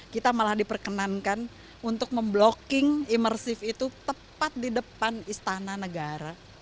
kita malah diperkenankan untuk memblocking imersif itu tepat di depan istana negara